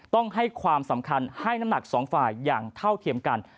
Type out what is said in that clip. ต้องให้ความสำคัญให้น้ำหนักสองฝ่ายอย่างเท่าเทียมกัน